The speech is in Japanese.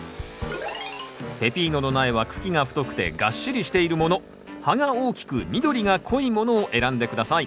ペピーノの苗は茎が太くてがっしりしているもの葉が大きく緑が濃いものを選んで下さい。